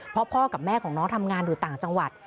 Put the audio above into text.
เพราะพ่อกับแม่ของน้องทำงานอยู่ต่างจังหวัด